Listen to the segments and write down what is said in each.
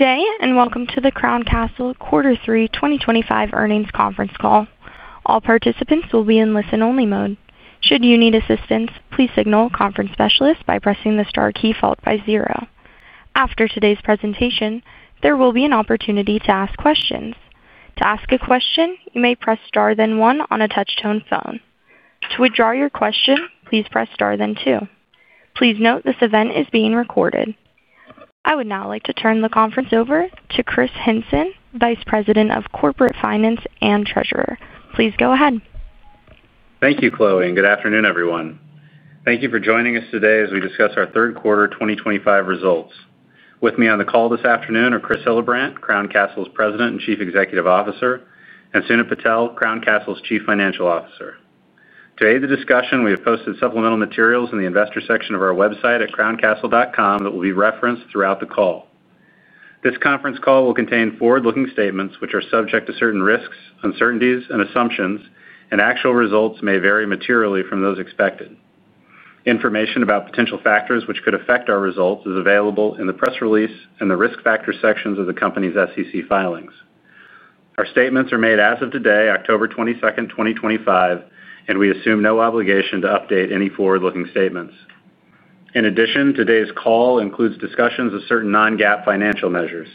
Jay, and welcome to the Crown Castle Quarter Three 2025 earnings conference call. All participants will be in listen-only mode. Should you need assistance, please signal a conference specialist by pressing the star key followed by zero. After today's presentation, there will be an opportunity to ask questions. To ask a question, you may press star then one on a touch-tone phone. To withdraw your question, please press star then two. Please note this event is being recorded. I would now like to turn the conference over to Kris Hinson, Vice President of Corporate Finance and Treasurer. Please go ahead. Thank you, Chloe, and good afternoon, everyone. Thank you for joining us today as we discuss our third quarter 2025 results. With me on the call this afternoon are Kris Hillebrant, Crown Castle's President and Chief Executive Officer, and Sunit Patel, Crown Castle's Chief Financial Officer. To aid the discussion, we have posted supplemental materials in the investor section of our website at crowncastle.com that will be referenced throughout the call. This conference call will contain forward-looking statements, which are subject to certain risks, uncertainties, and assumptions, and actual results may vary materially from those expected. Information about potential factors which could affect our results is available in the press release and the risk factor sections of the company's SEC filings. Our statements are made as of today, October 22, 2025, and we assume no obligation to update any forward-looking statements. In addition, today's call includes discussions of certain non-GAAP financial measures.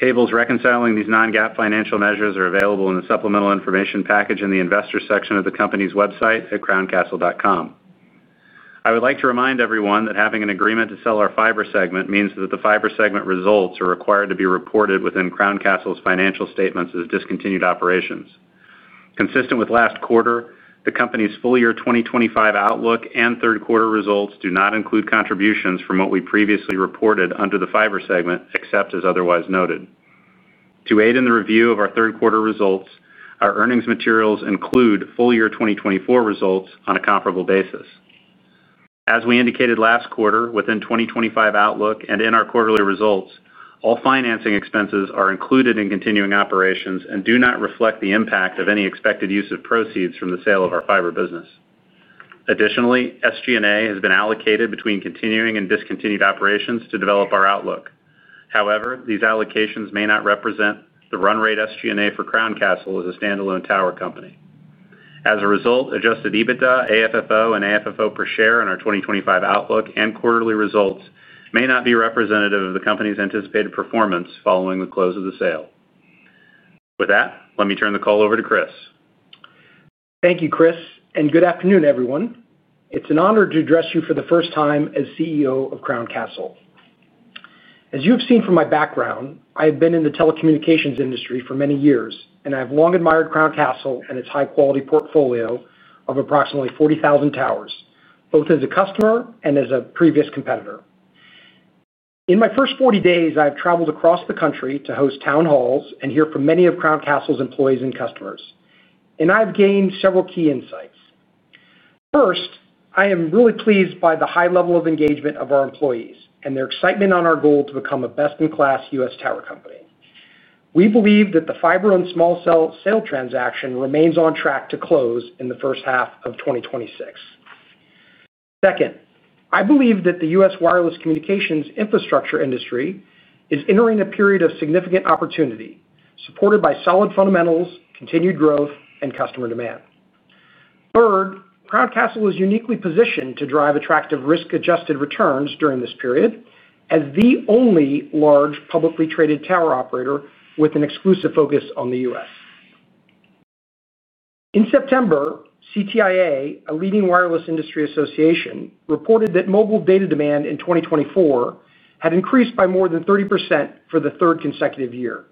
Tables reconciling these non-GAAP financial measures are available in the supplemental information package in the investor section of the company's website at crowncastle.com. I would like to remind everyone that having an agreement to sell our fiber segment means that the fiber segment results are required to be reported within Crown Castle's financial statements as discontinued operations. Consistent with last quarter, the company's full year 2025 outlook and third quarter results do not include contributions from what we previously reported under the fiber segment except as otherwise noted. To aid in the review of our third quarter results, our earnings materials include full year 2024 results on a comparable basis. As we indicated last quarter, within 2025 outlook and in our quarterly results, all financing expenses are included in continuing operations and do not reflect the impact of any expected use of proceeds from the sale of our fiber business. Additionally, SG&A has been allocated between continuing and discontinued operations to develop our outlook. However, these allocations may not represent the run rate SG&A for Crown Castle as a standalone tower company. As a result, adjusted EBITDA, AFFO, and AFFO per share in our 2025 outlook and quarterly results may not be representative of the company's anticipated performance following the close of the sale. With that, let me turn the call over to Kris. Thank you, Kris, and good afternoon, everyone. It's an honor to address you for the first time as CEO of Crown Castle. As you have seen from my background, I have been in the telecommunications industry for many years, and I have long admired Crown Castle and its high-quality portfolio of approximately 40,000 towers, both as a customer and as a previous competitor. In my first 40 days, I have traveled across the country to host town halls and hear from many of Crown Castle's employees and customers, and I have gained several key insights. First, I am really pleased by the high level of engagement of our employees and their excitement on our goal to become a best-in-class U.S. tower company. We believe that the fiber and small cell sale transaction remains on track to close in the first half of 2026. Second, I believe that the U.S. wireless communications infrastructure industry is entering a period of significant opportunity, supported by solid fundamentals, continued growth, and customer demand. Third, Crown Castle is uniquely positioned to drive attractive risk-adjusted returns during this period as the only large publicly traded tower operator with an exclusive focus on the U.S. In September, CTIA, a leading wireless industry association, reported that mobile data demand in 2024 had increased by more than 30% for the third consecutive year.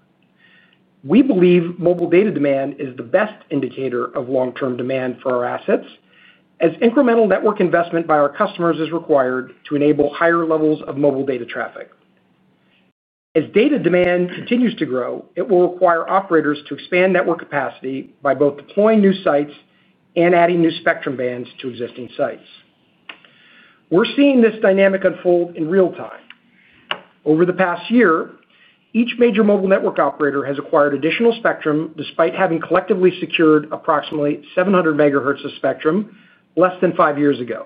We believe mobile data demand is the best indicator of long-term demand for our assets, as incremental network investment by our customers is required to enable higher levels of mobile data traffic. As data demand continues to grow, it will require operators to expand network capacity by both deploying new sites and adding new spectrum bands to existing sites. We're seeing this dynamic unfold in real time. Over the past year, each major mobile network operator has acquired additional spectrum despite having collectively secured approximately 700 megahertz of spectrum less than five years ago,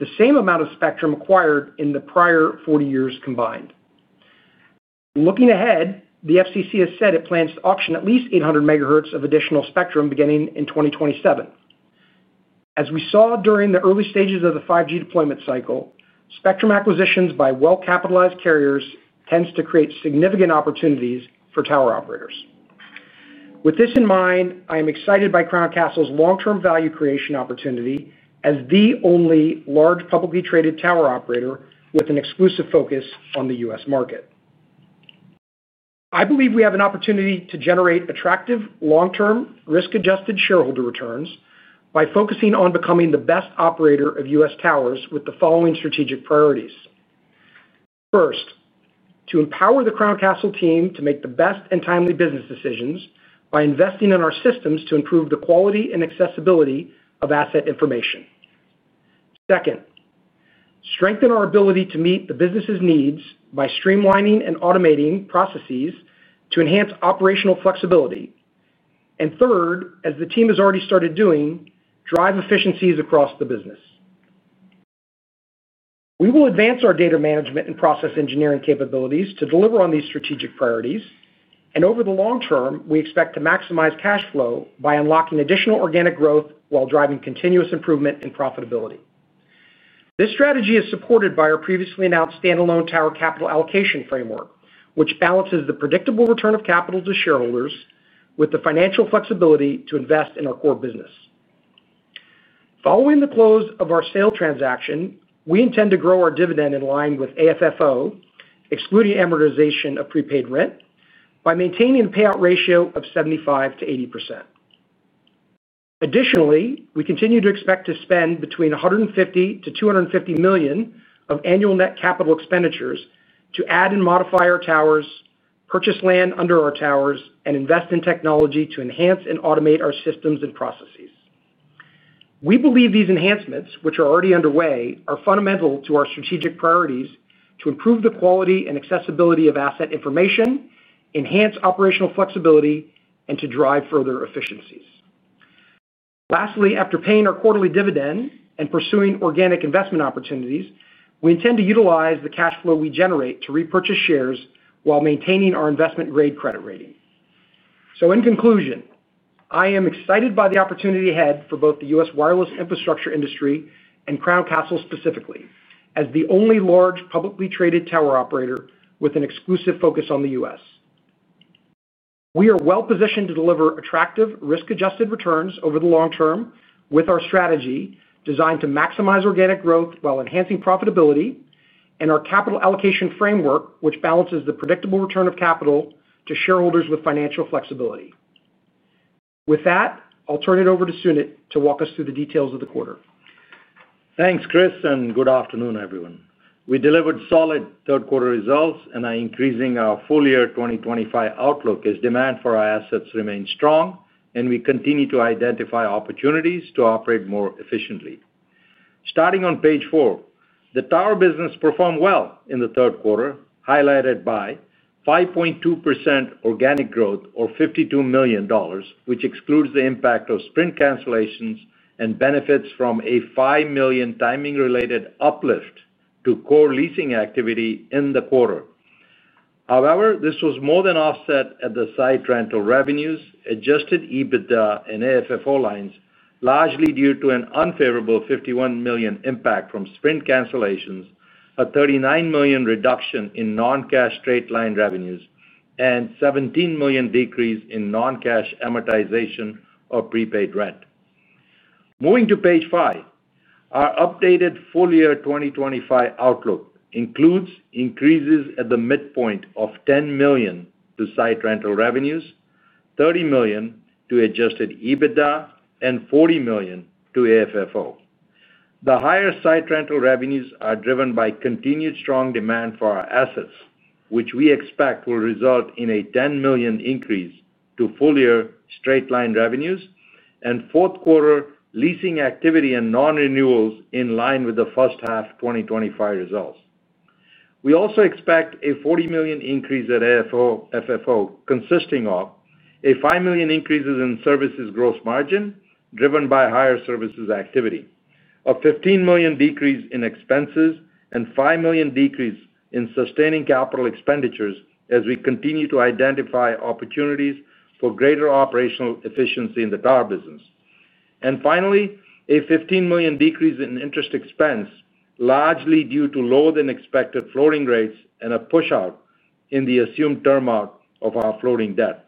the same amount of spectrum acquired in the prior 40 years combined. Looking ahead, the FCC has said it plans to auction at least 800 megahertz of additional spectrum beginning in 2027. As we saw during the early stages of the 5G deployment cycle, spectrum acquisitions by well-capitalized carriers tend to create significant opportunities for tower operators. With this in mind, I am excited by Crown Castle's long-term value creation opportunity as the only large publicly traded tower operator with an exclusive focus on the U.S. market. I believe we have an opportunity to generate attractive long-term risk-adjusted shareholder returns by focusing on becoming the best operator of U.S. towers with the following strategic priorities. First, to empower the Crown Castle team to make the best and timely business decisions by investing in our systems to improve the quality and accessibility of asset information. Second, strengthen our ability to meet the business's needs by streamlining and automating processes to enhance operational flexibility. Third, as the team has already started doing, drive efficiencies across the business. We will advance our data management and process engineering capabilities to deliver on these strategic priorities. Over the long term, we expect to maximize cash flow by unlocking additional organic growth while driving continuous improvement in profitability. This strategy is supported by our previously announced standalone tower capital allocation framework, which balances the predictable return of capital to shareholders with the financial flexibility to invest in our core business. Following the close of our sale transaction, we intend to grow our dividend in line with AFFO, excluding amortization of prepaid rent, by maintaining a payout ratio of 75% to 80%. Additionally, we continue to expect to spend between $150 million to $250 million of annual net capital expenditures to add and modify our towers, purchase land under our towers, and invest in technology to enhance and automate our systems and processes. We believe these enhancements, which are already underway, are fundamental to our strategic priorities to improve the quality and accessibility of asset information, enhance operational flexibility, and to drive further efficiencies. Lastly, after paying our quarterly dividend and pursuing organic investment opportunities, we intend to utilize the cash flow we generate to repurchase shares while maintaining our investment-grade credit rating. In conclusion, I am excited by the opportunity ahead for both the U.S. wireless infrastructure industry and Crown Castle specifically as the only large publicly traded tower operator with an exclusive focus on the U.S. We are well positioned to deliver attractive risk-adjusted returns over the long term with our strategy designed to maximize organic growth while enhancing profitability and our capital allocation framework, which balances the predictable return of capital to shareholders with financial flexibility. With that, I'll turn it over to Sunit to walk us through the details of the quarter. Thanks, Kris, and good afternoon, everyone. We delivered solid third-quarter results, and our increase in our full year 2025 outlook is demand for our assets remains strong, and we continue to identify opportunities to operate more efficiently. Starting on page four, the tower business performed well in the third quarter, highlighted by 5.2% organic growth or $52 million, which excludes the impact of Sprint cancellations and benefits from a $5 million timing-related uplift to core leasing activity in the quarter. However, this was more than offset at the site rental revenues, adjusted EBITDA, and AFFO lines, largely due to an unfavorable $51 million impact from Sprint cancellations, a $39 million reduction in non-cash straight line revenues, and a $17 million decrease in non-cash amortization of prepaid rent. Moving to page five, our updated full year 2025 outlook includes increases at the midpoint of $10 million to site rental revenues, $30 million to adjusted EBITDA, and $40 million to AFFO. The higher site rental revenues are driven by continued strong demand for our assets, which we expect will result in a $10 million increase to full year straight line revenues and fourth quarter leasing activity and non-renewals in line with the first half 2025 results. We also expect a $40 million increase at AFFO, consisting of a $5 million increase in services gross margin, driven by higher services activity, a $15 million decrease in expenses, and a $5 million decrease in sustaining capital expenditures as we continue to identify opportunities for greater operational efficiency in the tower business. Finally, a $15 million decrease in interest expense, largely due to lower than expected floating rates and a push-out in the assumed turmoil of our floating debt.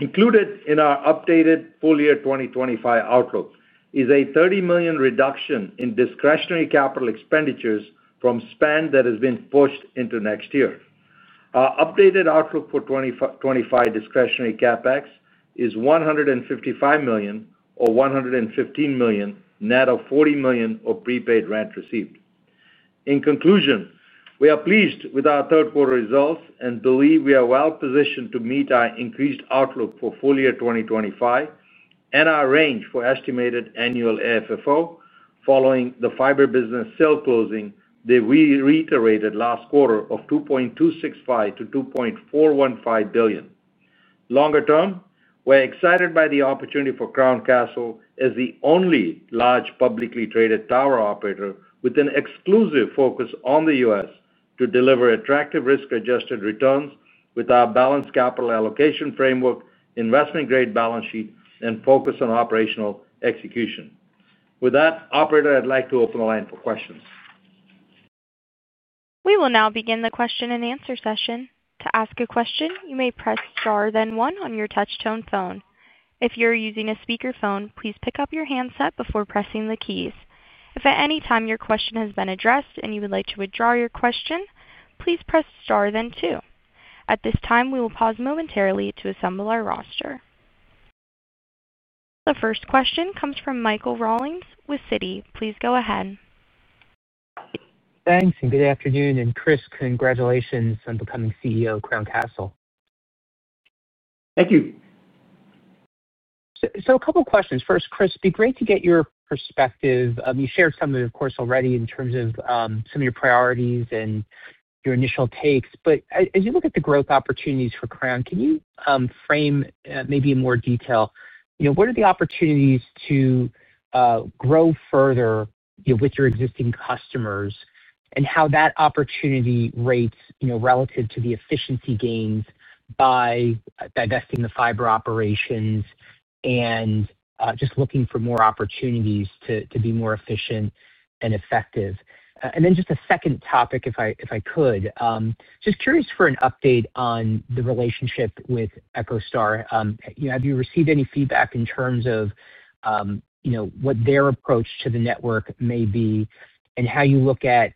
Included in our updated full year 2025 outlook is a $30 million reduction in discretionary capital expenditures from spend that has been pushed into next year. Our updated outlook for 2025 discretionary CapEx is $155 million or $115 million, net of $40 million of prepaid rent received. In conclusion, we are pleased with our third-quarter results and believe we are well positioned to meet our increased outlook for full year 2025 and our range for estimated annual AFFO following the fiber business sale closing that we reiterated last quarter of $2.265 to $2.415 billion. Longer term, we're excited by the opportunity for Crown Castle as the only large publicly traded tower operator with an exclusive focus on the U.S. to deliver attractive risk-adjusted returns with our balanced capital allocation framework, investment-grade balance sheet, and focus on operational execution. With that, operator, I'd like to open the line for questions. We will now begin the question and answer session. To ask a question, you may press star then one on your touch-tone phone. If you're using a speaker phone, please pick up your handset before pressing the keys. If at any time your question has been addressed and you would like to withdraw your question, please press star then two. At this time, we will pause momentarily to assemble our roster. The first question comes from Michael Rawlings with Citi. Please go ahead. Thanks, and good afternoon, and Kris, congratulations on becoming CEO of Crown Castle. Thank you. A couple of questions. First, Kris, it'd be great to get your perspective. You shared some of it, of course, already in terms of some of your priorities and your initial takes. As you look at the growth opportunities for Crown Castle, can you frame maybe in more detail what are the opportunities to grow further with your existing customers and how that opportunity rates relative to the efficiency gains by divesting the fiber operations and just looking for more opportunities to be more efficient and effective? A second topic, if I could, just curious for an update on the relationship with EchoStar. Have you received any feedback in terms of what their approach to the network may be and how you look at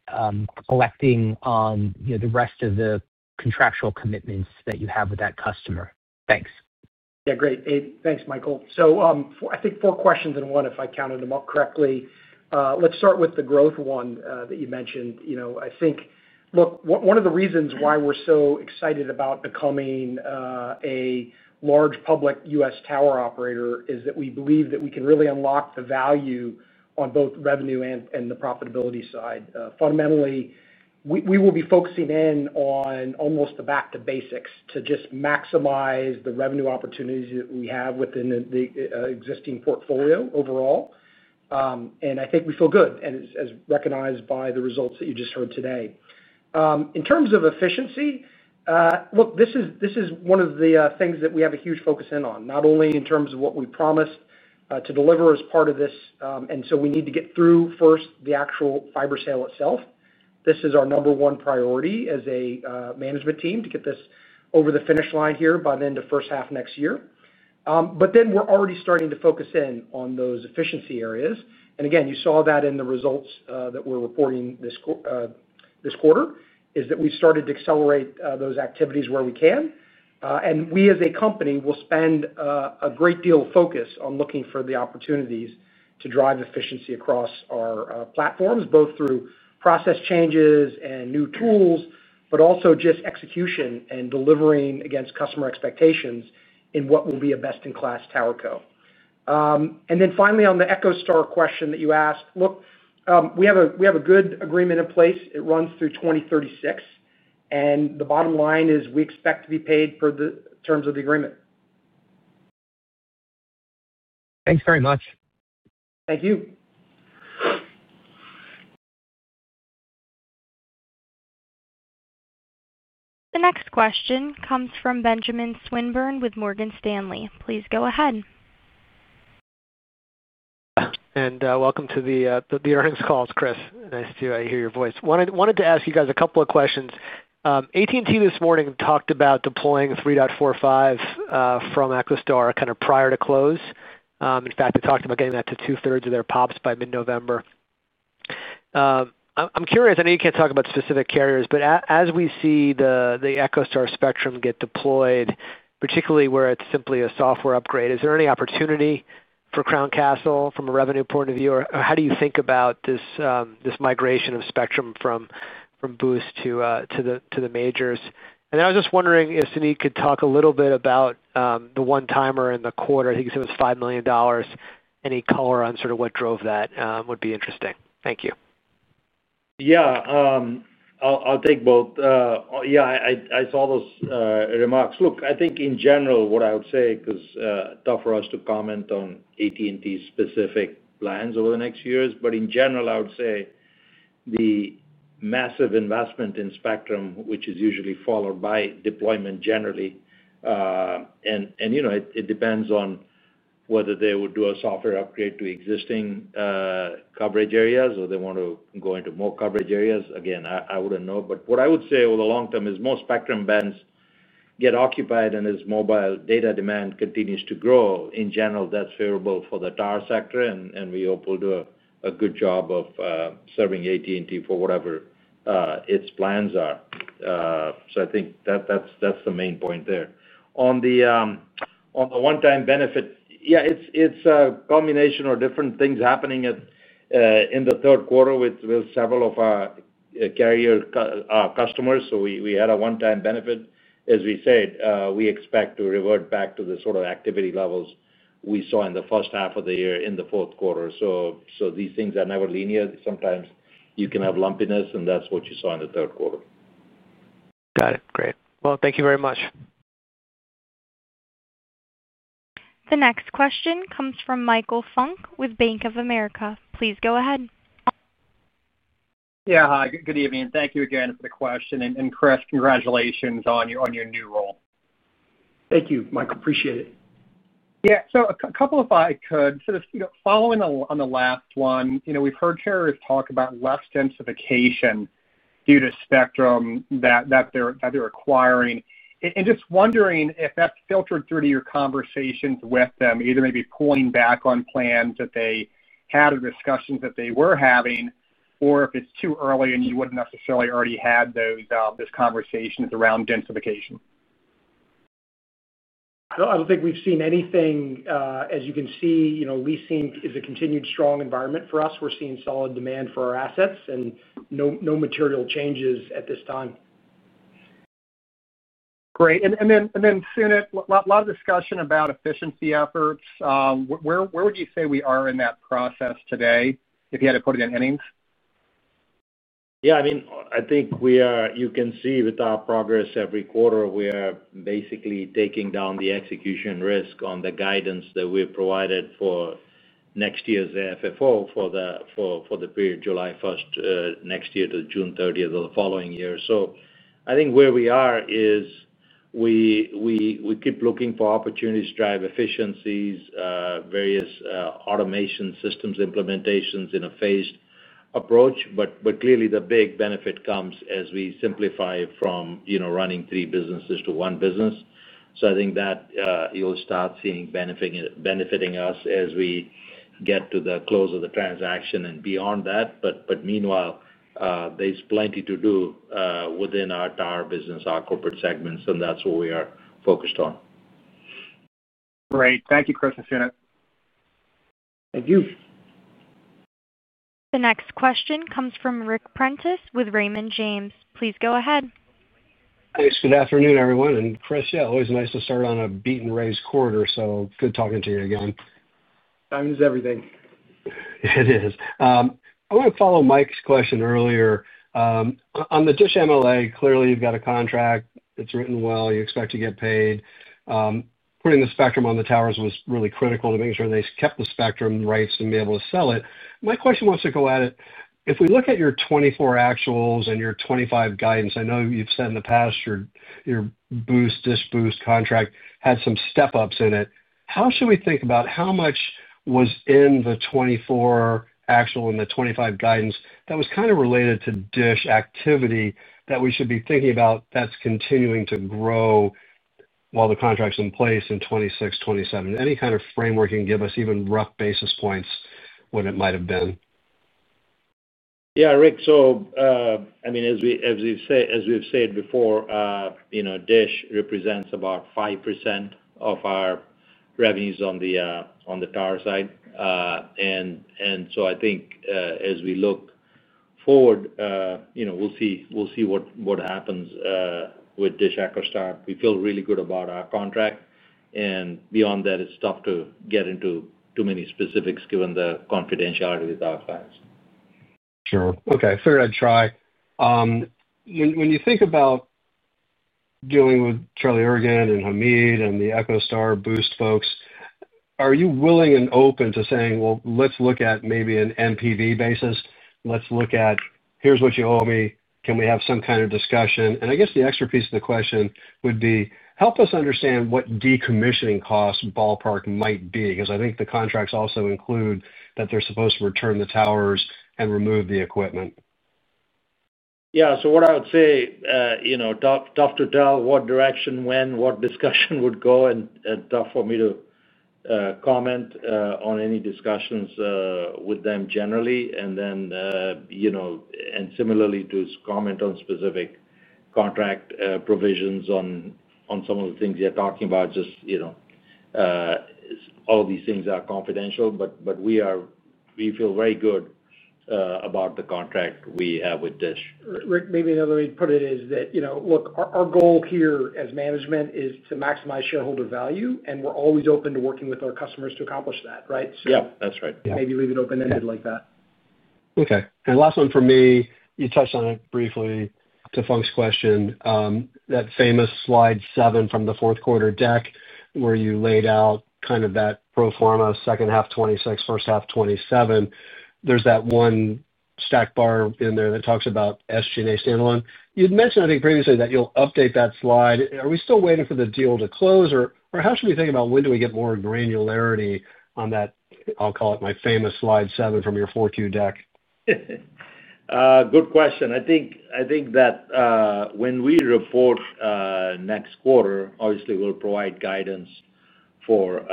collecting on the rest of the contractual commitments that you have with that customer? Thanks. Yeah, great. Hey, thanks, Michael. I think four questions in one, if I counted them up correctly. Let's start with the growth one that you mentioned. I think, look, one of the reasons why we're so excited about becoming a large public U.S. tower operator is that we believe that we can really unlock the value on both revenue and the profitability side. Fundamentally, we will be focusing in on almost the back to basics to just maximize the revenue opportunities that we have within the existing portfolio overall. I think we feel good, as recognized by the results that you just heard today. In terms of efficiency, this is one of the things that we have a huge focus in on, not only in terms of what we promised to deliver as part of this, and we need to get through first the actual fiber sale itself. This is our number one priority as a management team to get this over the finish line here by the end of the first half next year. We're already starting to focus in on those efficiency areas. You saw that in the results that we're reporting this quarter, we've started to accelerate those activities where we can. We as a company will spend a great deal of focus on looking for the opportunities to drive efficiency across our platforms, both through process changes and new tools, but also just execution and delivering against customer expectations in what will be a best-in-class tower co. Finally, on the EchoStar question that you asked, we have a good agreement in place. It runs through 2036. The bottom line is we expect to be paid per the terms of the agreement. Thanks very much. Thank you. The next question comes from Benjamin Lowe with Morgan Stanley. Please go ahead. Welcome to the earnings call, Kris. Nice to hear your voice. Wanted to ask you guys a couple of questions. AT&T this morning talked about deploying 3.45 from EchoStar kind of prior to close. In fact, they talked about getting that to two-thirds of their pops by mid-November. I'm curious, I know you can't talk about specific carriers, but as we see the EchoStar spectrum get deployed, particularly where it's simply a software upgrade, is there any opportunity for Crown Castle from a revenue point of view? How do you think about this migration of spectrum from Boost to the majors? I was just wondering if Sunit could talk a little bit about the one-timer in the quarter. I think it was $5 million. Any color on sort of what drove that would be interesting. Thank you. Yeah, I'll take both. I saw those remarks. Look, I think in general what I would say, because it's tough for us to comment on AT&T's specific plans over the next few years, in general, I would say the massive investment in spectrum, which is usually followed by deployment generally, and it depends on whether they would do a software upgrade to existing coverage areas or they want to go into more coverage areas. I wouldn't know. What I would say over the long term is more spectrum bands get occupied and as mobile data demand continues to grow, in general, that's favorable for the tower sector. We hope we'll do a good job of serving AT&T for whatever its plans are. I think that's the main point there. On the one-time benefit, it's a combination of different things happening in the third quarter with several of our carrier customers. We had a one-time benefit. As we said, we expect to revert back to the sort of activity levels we saw in the first half of the year in the fourth quarter. These things are never linear. Sometimes you can have lumpiness, and that's what you saw in the third quarter. Got it. Great. Thank you very much. The next question comes from Michael Funk with Bank of America. Please go ahead. Yeah, hi, good evening. Thank you again for the question. Kris, congratulations on your new role. Thank you, Michael. Appreciate it. Yeah, a couple if I could. Sort of following on the last one, you know we've heard carriers talk about less densification due to spectrum that they're acquiring. Just wondering if that's filtered through to your conversations with them, either maybe pulling back on plans that they had or discussions that they were having, or if it's too early and you wouldn't necessarily already had those conversations around densification. I don't think we've seen anything. As you can see, you know, leasing is a continued strong environment for us. We're seeing solid demand for our assets and no material changes at this time. Great. Sunit, a lot of discussion about efficiency efforts. Where would you say we are in that process today if you had to put it in earnings? Yeah, I mean, I think we are, you can see with our progress every quarter, we are basically taking down the execution risk on the guidance that we've provided for next year's AFFO for the period July 1 next year to June 30 of the following year. I think where we are is we keep looking for opportunities to drive efficiencies, various automation systems implementations in a phased approach. Clearly, the big benefit comes as we simplify from running three businesses to one business. I think that you'll start seeing benefiting us as we get to the close of the transaction and beyond that. Meanwhile, there's plenty to do within our tower business, our corporate segments, and that's what we are focused on. Great. Thank you, Kris and Sunit. Thank you. The next question comes from Rick Prentice with Raymond James. Please go ahead. Hey, good afternoon, everyone. Kris, yeah, always nice to start on a beat and raise quarter. Good talking to you again. Time is everything. It is. I want to follow Mike's question earlier. On the DISH master lease agreement, clearly you've got a contract. It's written well. You expect to get paid. Putting the spectrum on the towers was really critical to making sure they kept the spectrum rights and be able to sell it. My question wants to go at it. If we look at your 2024 actuals and your 2025 guidance, I know you've said in the past your DISH Boost contract had some step-ups in it. How should we think about how much was in the 2024 actual and the 2025 guidance that was kind of related to DISH activity that we should be thinking about that's continuing to grow while the contract's in place in 2026, 2027? Any kind of framework you can give us, even rough basis points, what it might have been? Yeah, Rick. As we've said before, DISH represents about 5% of our revenues on the tower side. I think as we look forward, we'll see what happens with DISH EchoStar. We feel really good about our contract. Beyond that, it's tough to get into too many specifics given the confidentiality with our clients. Sure. Okay. Figure I'd try. When you think about dealing with Charlie Ergen and Hamid and the EchoStar Boost folks, are you willing and open to saying, let's look at maybe an NPV basis? Let's look at here's what you owe me. Can we have some kind of discussion? I guess the extra piece of the question would be, help us understand what decommissioning cost ballpark might be, because I think the contracts also include that they're supposed to return the towers and remove the equipment. Yeah. What I would say, tough to tell what direction, when, what discussion would go, and tough for me to comment on any discussions with them generally. Similarly, to comment on specific contract provisions on some of the things you're talking about, just all these things are confidential. We feel very good about the contract we have with DISH. Rick, maybe another way to put it is that our goal here as management is to maximize shareholder value, and we're always open to working with our customers to accomplish that, right? Yeah, that's right. Maybe leave it open-ended like that. Okay. The last one from me, you touched on it briefly, to Funk's question, that famous slide seven from the fourth quarter deck where you laid out kind of that pro forma second half 2026, first half 2027. There's that one stack bar in there that talks about SG&A standalone. You'd mentioned, I think, previously that you'll update that slide. Are we still waiting for the deal to close, or how should we think about when do we get more granularity on that, I'll call it my famous slide seven from your 4Q deck? Good question. I think that when we report next quarter, obviously, we'll provide guidance for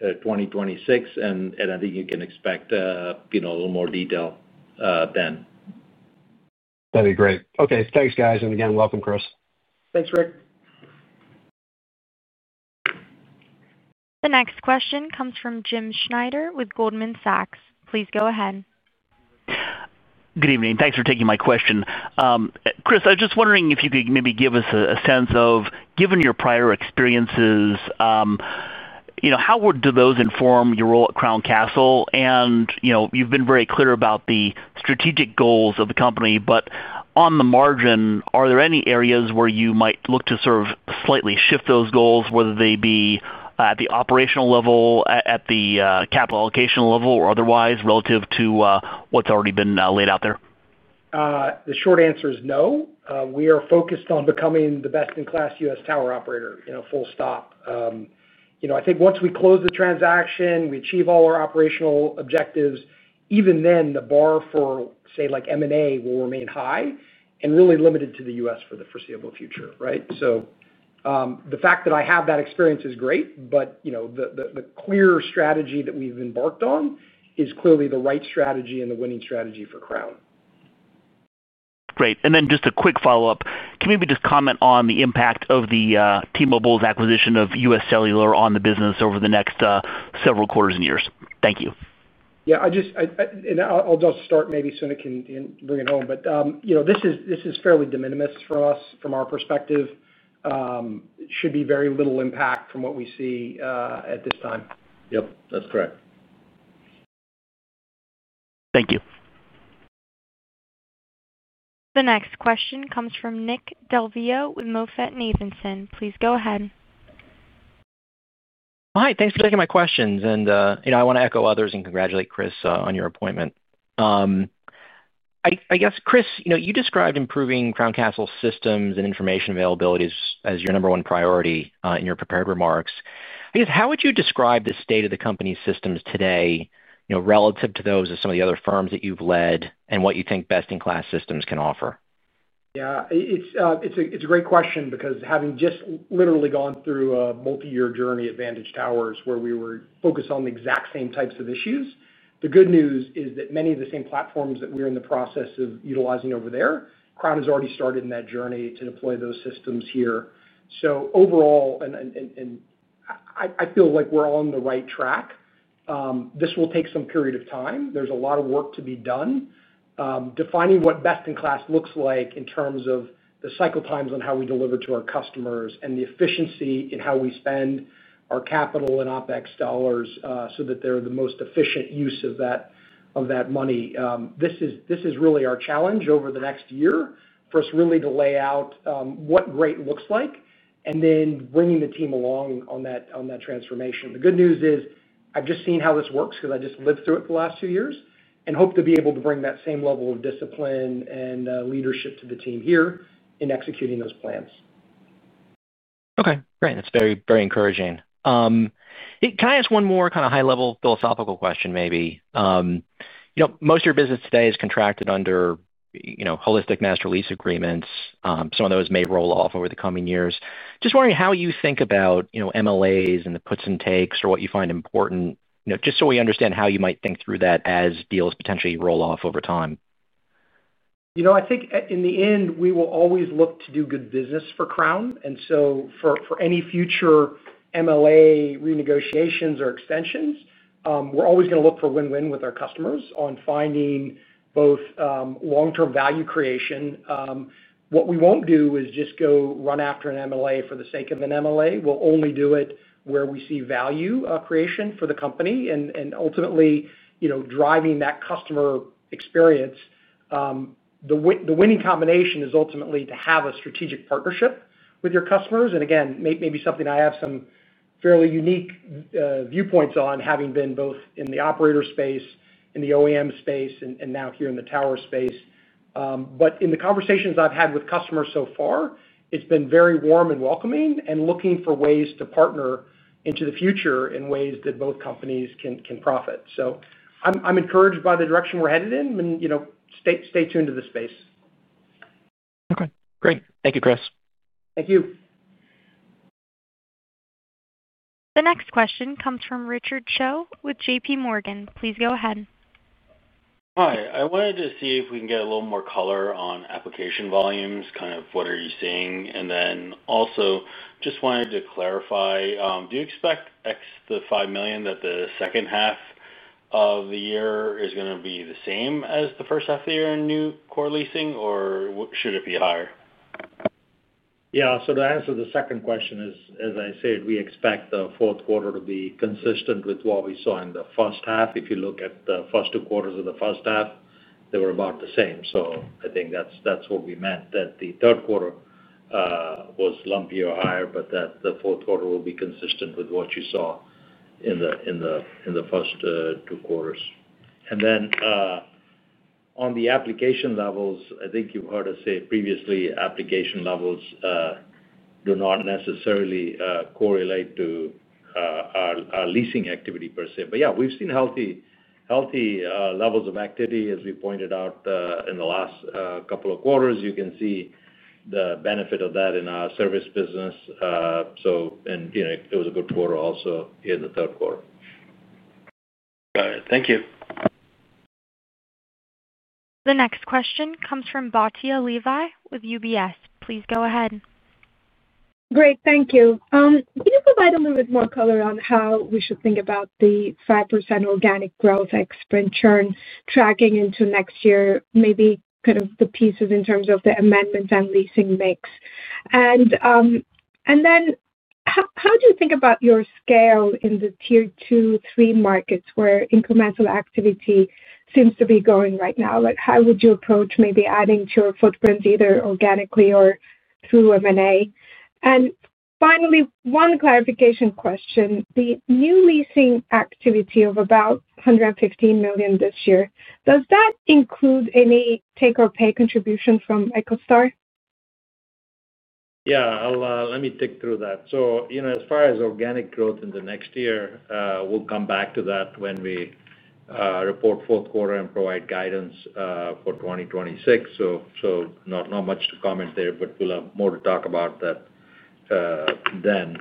2026. I think you can expect a little more detail then. That'd be great. Okay. Thanks, guys. Again, welcome, Kris. Thanks, Rick. The next question comes from Jim Schneider with Goldman Sachs. Please go ahead. Good evening. Thanks for taking my question. Kris, I was just wondering if you could maybe give us a sense of, given your prior experiences, how would those inform your role at Crown Castle? You've been very clear about the strategic goals of the company. On the margin, are there any areas where you might look to sort of slightly shift those goals, whether they be at the operational level, at the capital allocation level, or otherwise, relative to what's already been laid out there? The short answer is no. We are focused on becoming the best-in-class U.S. tower operator, full stop. I think once we close the transaction, we achieve all our operational objectives. Even then, the bar for, say, like M&A will remain high and really limited to the U.S. for the foreseeable future, right? The fact that I have that experience is great, but the clear strategy that we've embarked on is clearly the right strategy and the winning strategy for Crown Castle. Great. Just a quick follow-up. Can we maybe just comment on the impact of T-Mobile's acquisition of US Cellular on the business over the next several quarters and years? Thank you. I just, I'll start maybe so it can bring it home. You know this is fairly de minimis for us from our perspective. It should be very little impact from what we see at this time. Yep, that's correct. Thank you. The next question comes from Nick Del Deo with MoffettNathanson. Please go ahead. Hi, thanks for taking my questions. I want to echo others and congratulate Kris on your appointment. Kris, you described improving Crown Castle's systems and information availability as your number one priority in your prepared remarks. How would you describe the state of the company's systems today relative to those of some of the other firms that you've led and what you think best-in-class systems can offer? Yeah, it's a great question because having just literally gone through a multi-year journey at Vantage Towers where we were focused on the exact same types of issues, the good news is that many of the same platforms that we're in the process of utilizing over there, Crown Castle has already started in that journey to deploy those systems here. Overall, I feel like we're on the right track. This will take some period of time. There's a lot of work to be done. Defining what best-in-class looks like in terms of the cycle times on how we deliver to our customers and the efficiency in how we spend our capital and OpEx dollars so that they're the most efficient use of that money is really our challenge over the next year for us to lay out what great looks like and then bringing the team along on that transformation. The good news is I've just seen how this works because I just lived through it the last two years and hope to be able to bring that same level of discipline and leadership to the team here in executing those plans. Okay, great. That's very, very encouraging. Can I ask one more kind of high-level philosophical question maybe? Most of your business today is contracted under holistic master lease agreements. Some of those may roll off over the coming years. Just wondering how you think about MLAs and the puts and takes or what you find important, just so we understand how you might think through that as deals potentially roll off over time. I think in the end, we will always look to do good business for Crown Castle. For any future master lease agreement renegotiations or extensions, we're always going to look for win-win with our customers on finding both long-term value creation. What we won't do is just go run after a master lease agreement for the sake of a master lease agreement. We'll only do it where we see value creation for the company and ultimately, you know, driving that customer experience. The winning combination is ultimately to have a strategic partnership with your customers. Maybe something I have some fairly unique viewpoints on, having been both in the operator space, in the OEM space, and now here in the tower space. In the conversations I've had with customers so far, it's been very warm and welcoming and looking for ways to partner into the future in ways that both companies can profit. I'm encouraged by the direction we're headed in. You know, stay tuned to this space. Okay, great. Thank you, Kris. Thank you. The next question comes from Richard Cho with J.P. Morgan. Please go ahead. Hi, I wanted to see if we can get a little more color on application volumes, kind of what are you seeing? I also just wanted to clarify, do you expect, excluding the $5 million, that the second half of the year is going to be the same as the first half of the year in new core leasing, or should it be higher? Yeah, to answer the second question, as I said, we expect the fourth quarter to be consistent with what we saw in the first half. If you look at the first two quarters of the first half, they were about the same. I think that's what we meant, that the third quarter was lumpy or higher, but that the fourth quarter will be consistent with what you saw in the first two quarters. On the application levels, I think you've heard us say previously, application levels do not necessarily correlate to our leasing activity per se. We've seen healthy levels of activity, as we pointed out in the last couple of quarters. You can see the benefit of that in our service business. It was a good quarter also in the third quarter. Got it. Thank you. The next question comes from Batia Levi with UBS. Please go ahead. Great, thank you. Can you provide a little bit more color on how we should think about the 5% organic growth export churn tracking into next year, maybe kind of the pieces in terms of the amendments and leasing mix? How do you think about your scale in the tier two, three markets where incremental activity seems to be growing right now? How would you approach maybe adding to your footprint either organically or through M&A? Finally, one clarification question. The new leasing activity of about $115 million this year, does that include any take or pay contribution from EchoStar? Let me think through that. As far as organic growth in the next year, we'll come back to that when we report fourth quarter and provide guidance for 2026. Not much to comment there, but we'll have more to talk about then.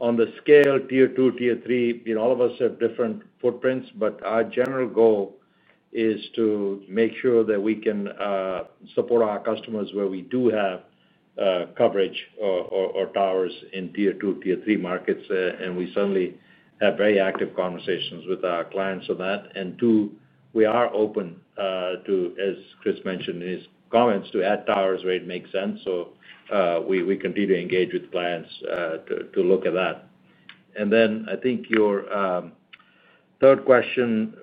On the scale tier two, tier three, all of us have different footprints, but our general goal is to make sure that we can support our customers where we do have coverage or towers in tier two, tier three markets. We certainly have very active conversations with our clients on that. We are open, as Kris mentioned in his comments, to add towers where it makes sense. We continue to engage with clients to look at that. I think your third question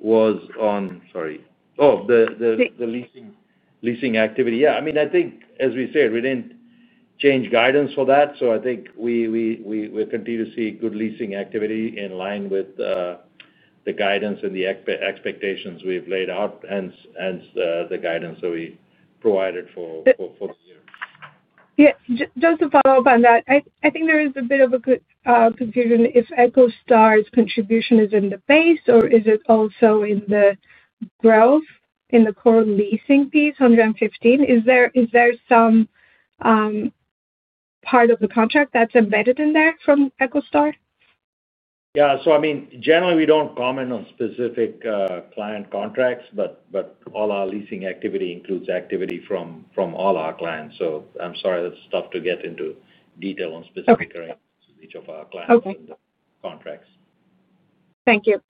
was on, sorry, oh, the leasing activity. I think as we said, we didn't change guidance for that. I think we continue to see good leasing activity in line with the guidance and the expectations we've laid out, hence the guidance that we provided for the year. Yeah, just to follow up on that, I think there is a bit of a confusion if EchoStar's contribution is in the base or is it also in the growth in the core leasing piece, $115. Is there some part of the contract that's embedded in there from EchoStar? Yeah, generally, we don't comment on specific client contracts, but all our leasing activity includes activity from all our clients. I'm sorry, that's tough to get into detail on specific arrangements with each of our clients in the contracts. Okay, thank you.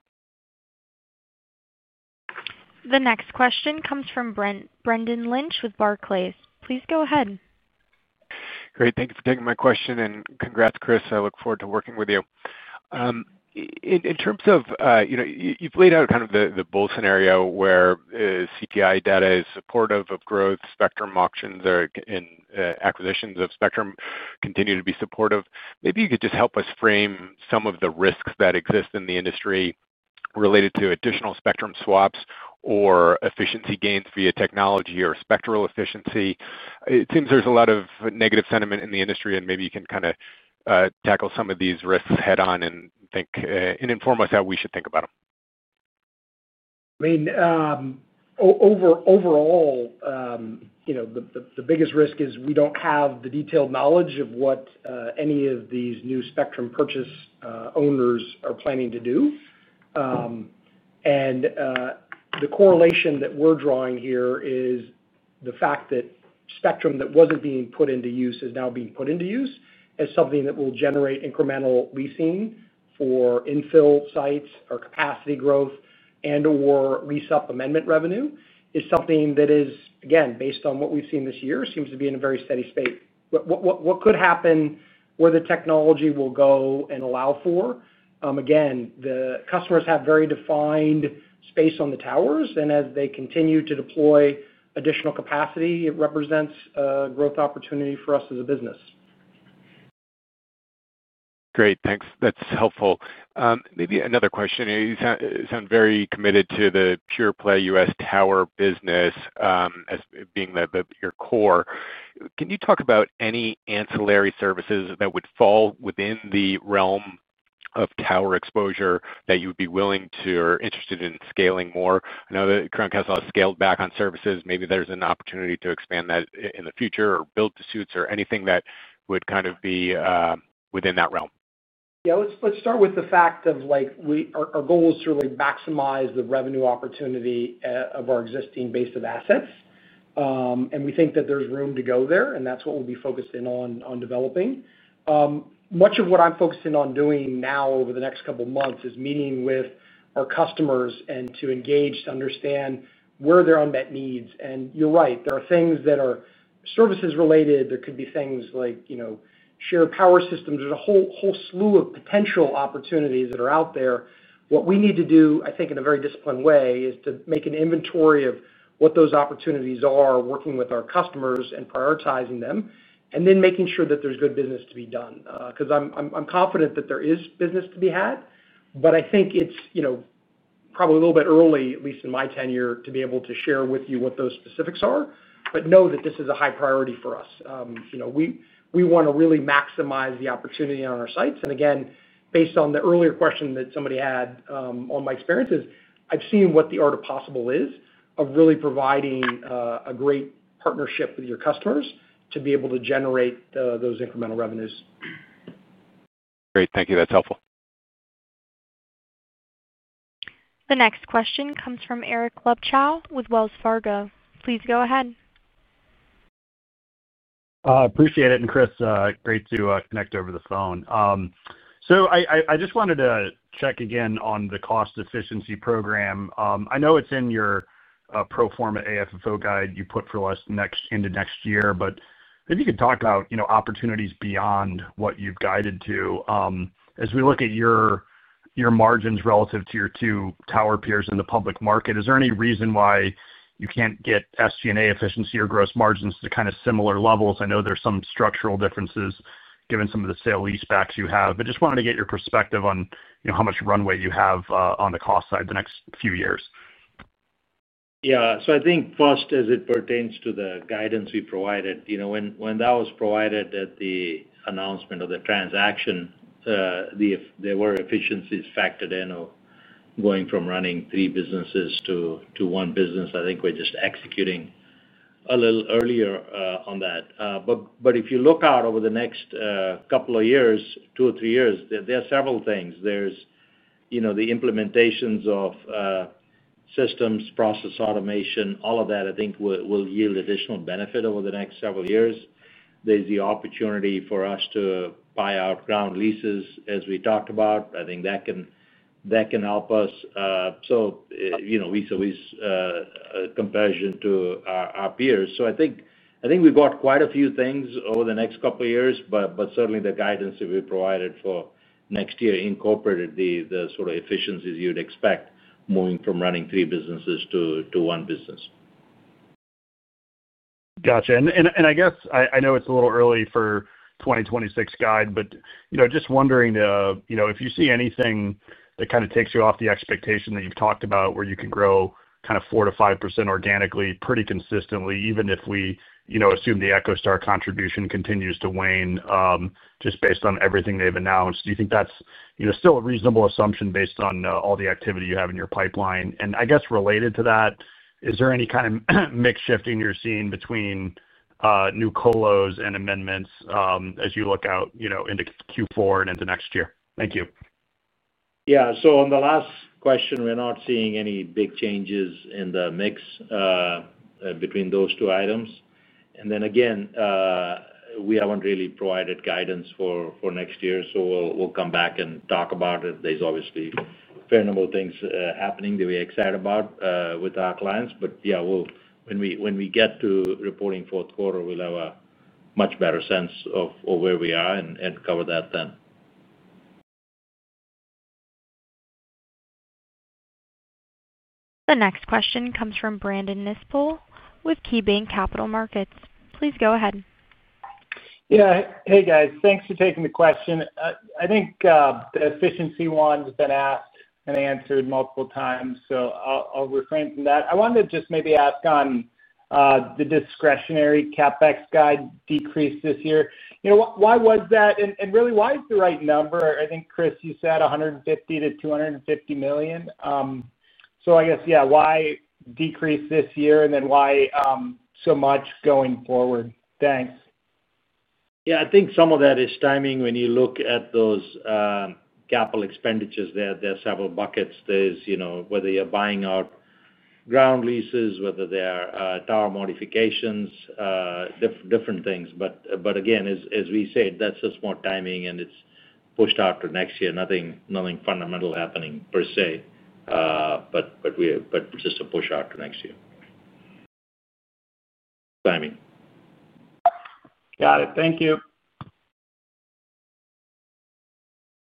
The next question comes from Brendan Lynch with Barclays. Please go ahead. Great, thank you for taking my question and congrats, Kris. I look forward to working with you. In terms of, you've laid out kind of the bull scenario where CTI data is supportive of growth, spectrum auctions and acquisitions of spectrum continue to be supportive. Maybe you could just help us frame some of the risks that exist in the industry related to additional spectrum swaps or efficiency gains via technology or spectral efficiency. It seems there's a lot of negative sentiment in the industry, and maybe you can kind of tackle some of these risks head-on and inform us how we should think about them. I mean, overall, the biggest risk is we don't have the detailed knowledge of what any of these new spectrum purchase owners are planning to do. The correlation that we're drawing here is the fact that spectrum that wasn't being put into use is now being put into use as something that will generate incremental leasing for infill sites or capacity growth and/or lease-up amendment revenue. This is, again, based on what we've seen this year, and seems to be in a very steady state. What could happen, where the technology will go and allow for, again, the customers have very defined space on the towers. As they continue to deploy additional capacity, it represents a growth opportunity for us as a business. Great, thanks. That's helpful. Maybe another question. You sound very committed to the pure play U.S. tower business as being your core. Can you talk about any ancillary services that would fall within the realm of tower exposure that you would be willing to or interested in scaling more? I know that Crown Castle has scaled back on services. Maybe there's an opportunity to expand that in the future or build to suits or anything that would kind of be within that realm. Yeah, let's start with the fact of like our goal is to really maximize the revenue opportunity of our existing base of assets. We think that there's room to go there, and that's what we'll be focused in on developing. Much of what I'm focusing on doing now over the next couple of months is meeting with our customers to engage to understand where their unmet needs are. You're right, there are things that are services related. There could be things like shared power systems. There's a whole slew of potential opportunities that are out there. What we need to do, I think, in a very disciplined way is to make an inventory of what those opportunities are, working with our customers and prioritizing them, and then making sure that there's good business to be done. I'm confident that there is business to be had. I think it's probably a little bit early, at least in my tenure, to be able to share with you what those specifics are, but know that this is a high priority for us. We want to really maximize the opportunity on our sites. Again, based on the earlier question that somebody had on my experiences, I've seen what the art of possible is of really providing a great partnership with your customers to be able to generate those incremental revenues. Great, thank you. That's helpful. The next question comes from Eric Lubchow with Wells Fargo. Please go ahead. I appreciate it. Kris, great to connect over the phone. I just wanted to check again on the cost efficiency program. I know it's in your pro forma AFFO guide you put for us into next year, but maybe you could talk about opportunities beyond what you've guided to. As we look at your margins relative to your two tower peers in the public market, is there any reason why you can't get SG&A efficiency or gross margins to kind of similar levels? I know there's some structural differences given some of the sale leasebacks you have, but just wanted to get your perspective on how much runway you have on the cost side the next few years. Yeah, so I think first, as it pertains to the guidance we provided, when that was provided at the announcement of the transaction, there were efficiencies factored in of going from running three businesses to one business. I think we're just executing a little earlier on that. If you look out over the next couple of years, two or three years, there are several things. There's the implementations of systems, process automation, all of that, I think, will yield additional benefit over the next several years. There's the opportunity for us to buy our ground leases, as we talked about. I think that can help us. We saw a comparison to our peers. I think we've got quite a few things over the next couple of years, but certainly the guidance that we provided for next year incorporated the sort of efficiencies you'd expect moving from running three businesses to one business. Gotcha. I know it's a little early for 2026 guide, but just wondering if you see anything that takes you off the expectation that you've talked about where you can grow 4 to 5% organically pretty consistently, even if we assume the EchoStar contribution continues to wane, just based on everything they've announced. Do you think that's still a reasonable assumption based on all the activity you have in your pipeline? Related to that, is there any kind of mix shifting you're seeing between new colos and amendments as you look out into Q4 and into next year? Thank you. Yeah, on the last question, we're not seeing any big changes in the mix between those two items. We haven't really provided guidance for next year, so we'll come back and talk about it. There's obviously a fair number of things happening that we're excited about with our clients. When we get to reporting fourth quarter, we'll have a much better sense of where we are and cover that then. The next question comes from Brandon Nispool with KeyBanc Capital Markets. Please go ahead. Yeah, hey guys, thanks for taking the question. I think the efficiency one's been asked and answered multiple times, so I'll refrain from that. I wanted to just maybe ask on the discretionary CapEx guide decrease this year. You know, why was that? And really, why is the right number? I think, Kris, you said $150 to $250 million. I guess, yeah, why decrease this year and then why so much going forward? Thanks. Yeah, I think some of that is timing when you look at those capital expenditures. There are several buckets. There's, you know, whether you're buying out ground leases, whether they are tower modifications, different things. As we said, that's just more timing and it's pushed out to next year. Nothing fundamental happening per se, just a push out to next year. Timing. Got it. Thank you.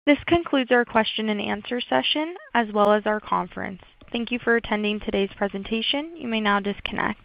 This concludes our question and answer session, as well as our conference. Thank you for attending today's presentation. You may now disconnect.